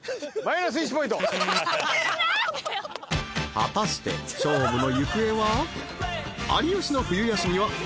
［果たして勝負の行方は？］